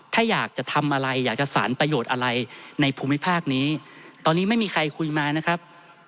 ถ้าอยากจะทำอะไรอยากจะสารประโยชน์อะไรในภูมิภาคนี้ตอนนี้ไม่มีใครคุยมานะครับ